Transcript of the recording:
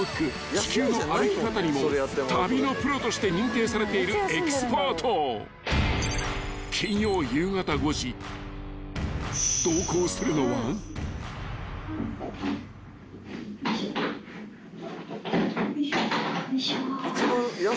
『地球の歩き方』にも旅のプロとして認定されているエキスパート］よいしょよいしょ。